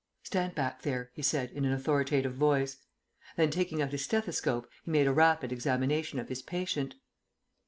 "Stand back there," he said in an authoritative voice. Then, taking out his stethoscope, he made a rapid examination of his patient.